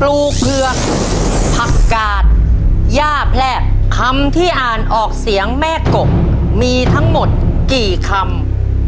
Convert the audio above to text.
ปลูกเผือกผักกาดย่าแพรกคำที่อ่านออกเสียงแม่กบมีทั้งหมดกี่คำ